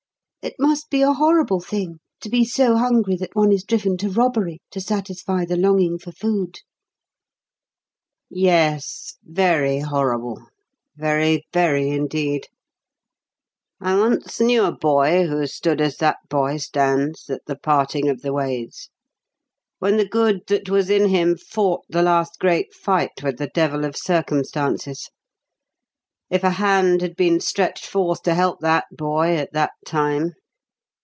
It must be a horrible thing to be so hungry that one is driven to robbery to satisfy the longing for food." "Yes, very horrible very, very indeed. I once knew a boy who stood as that boy stands at the parting of the ways; when the good that was in him fought the last great fight with the Devil of Circumstances. If a hand had been stretched forth to help that boy at that time